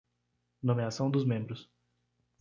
Nomeação dos membros.